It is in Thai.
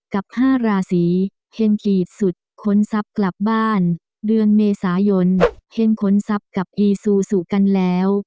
กับ๕ราศีเฮนกรีดสุดค้นทรัพย์กลับบ้านเดือนเมษายนเห็นค้นทรัพย์กับอีซูซูกันแล้ว